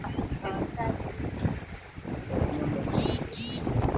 na si wa kizazi kilichopita Moja ya sherehe ya kupita ujana hadi upiganaji ni